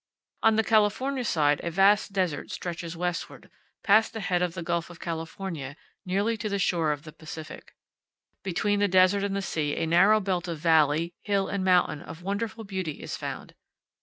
On the California side a vast desert stretches westward, past the head of the Gulf of California, nearly to the shore of the Pacific. Between the desert and the sea a narrow belt of valley, hill, and mountain of wonderful beauty is found.